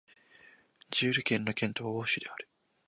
ジェール県の県都はオーシュである